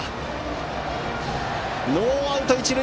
ノーアウト、一塁！